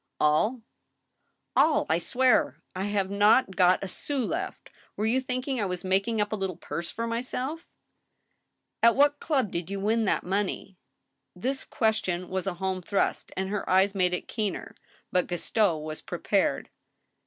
" All, I swear ! I have not got a sous left. Were you thinking I was making up a little purse for myself ?"" At what club did you win that money ?" This question was a home thrust, and her eyes made it keener. But Gaston was prepared.